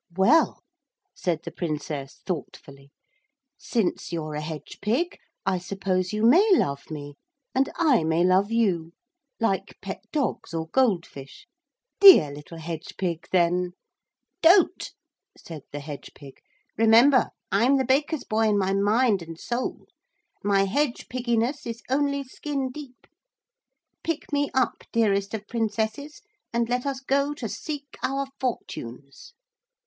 'Well,' said the Princess thoughtfully, 'since you're a hedge pig I suppose you may love me, and I may love you. Like pet dogs or gold fish. Dear little hedge pig, then!' 'Don't!' said the hedge pig, 'remember I'm the baker's boy in my mind and soul. My hedge pigginess is only skin deep. Pick me up, dearest of Princesses, and let us go to seek our fortunes.'